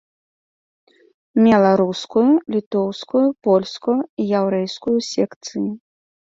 Мела рускую, літоўскую, польскую і яўрэйскую секцыі.